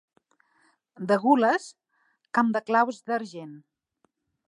De gules, camp de claus d'argent.